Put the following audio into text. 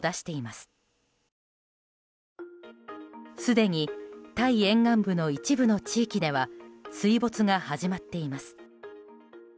すでにタイ沿岸部の一部の地域では水没が始まっています。